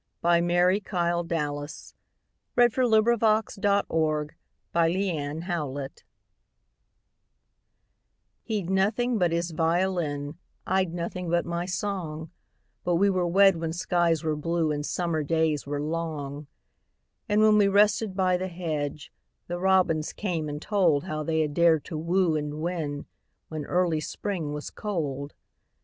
By Mary KyleDallas 1181 He 'd Nothing but His Violin HE 'D nothing but his violin,I 'd nothing but my song, But we were wed when skies were blueAnd summer days were long; And when we rested by the hedge, The robins came and toldHow they had dared to woo and win, When early Spring was cold.